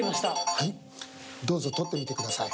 はいどうぞ取ってみて下さい。